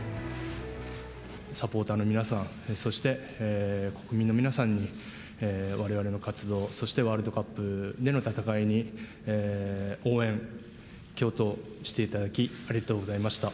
サポーターの皆さん、そして、国民の皆さんに、われわれの活動、そしてワールドカップでの戦いに、応援、共闘していただき、ありがとうございました。